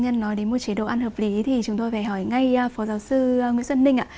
nhân nói đến một chế độ ăn hợp lý thì chúng tôi phải hỏi ngay phó giáo sư nguyễn xuân ninh ạ